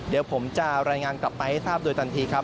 เดี๋ยวผมจะรายงานกลับไปให้ทราบโดยทันทีครับ